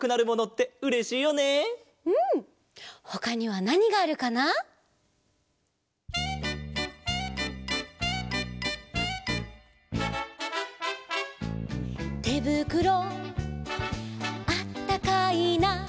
「てぶくろあったかいな」